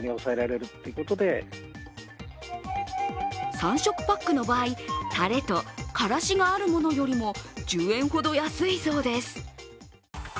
３食パックの場合、たれとからしがあるものよりも１０円ほど安いそうです。